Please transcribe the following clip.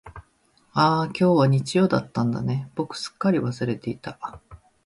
ああ、今日は日曜だったんだね、僕すっかり忘れていた。